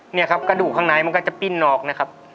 เนี่ยครับกระดูกข้างในมันก็จะปิ้นออกนะครับ